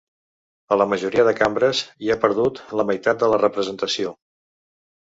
A la majoria de cambres, hi ha perdut la meitat de la representació.